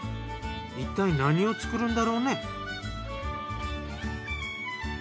いったい何を作るんだろうね？